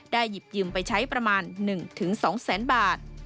ได้หยิบยืมไปใช้ประมาณ๑๒แสนบาท